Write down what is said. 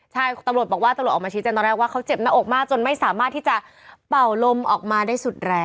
ใช่ตำรวจบอกว่าตำรวจออกมาชี้แจ้งตอนแรกว่าเขาเจ็บหน้าอกมากจนไม่สามารถที่จะเป่าลมออกมาได้สุดแรง